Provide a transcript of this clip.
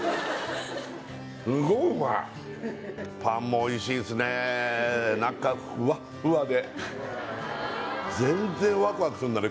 すごいうまいパンもおいしいっすね中フワフワで全然ワクワクすんだね